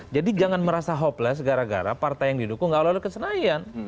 jadi jangan merasa hopeless gara gara partai yang didukung nggak lolos kesenayan